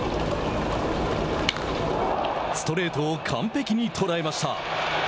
ストレートを完璧に捉えました。